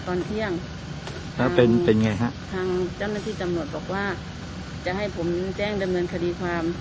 ตอนเที่ยงแล้วเป็นเป็นไงฮะทางเจ้าหน้าที่ตำรวจบอกว่าจะให้ผมแจ้งดำเนินคดีความ